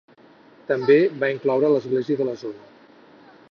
També va incloure l'església de la zona.